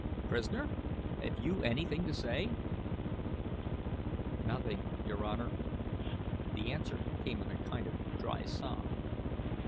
Prisoner, have you anything to say?" "Nothing, your Honor." The answer came in a kind of dry sob.